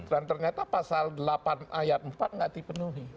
dan ternyata pasal delapan ayat empat nggak dipenuhi